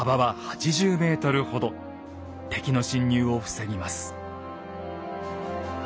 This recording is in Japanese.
敵の侵入を防ぎます。